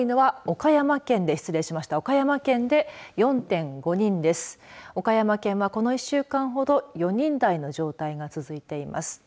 岡山県は、この１週間ほど４人台の状態が続いてます。